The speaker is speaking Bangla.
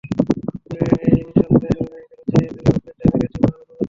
পুলেই নিঃশব্দে শুরু হয়ে গেল চীনের দুই অলিম্পিক ডাইভারের জীবনে নতুন অধ্যায়।